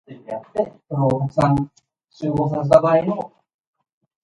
It is licensed to Tampa and owned by the University of South Florida.